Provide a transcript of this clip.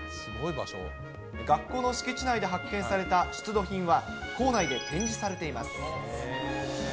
学校の敷地内で発見された出土品は、校内で展示されています。